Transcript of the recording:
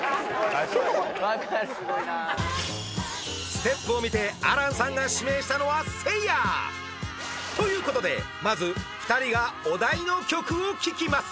ステップを見て亜嵐さんが指名したのはせいやということでまず２人がお題の曲を聴きます